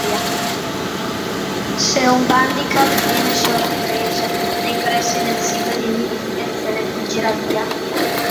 Se un bandicoot viene sorpreso nei pressi del sito di nidificazione fuggirà via.